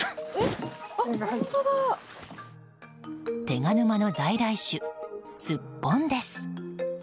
手賀沼の在来種、スッポンです。